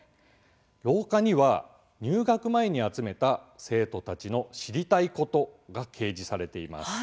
廊下には、入学前に集めた生徒たちの「知りたいこと」が掲示されています。